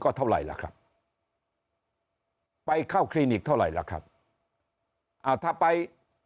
ก็เท่าไหร่ล่ะครับไปเข้าคลินิกเท่าไหร่ล่ะครับอ่าถ้าไป